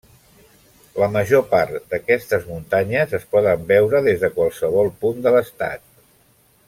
La major part d'aquestes muntanyes es poden veure des de qualsevol punt de l'estat.